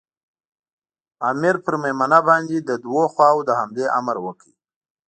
امیر پر مېمنه باندې له دوو خواوو د حملې امر وکړ.